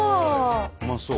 うまそう。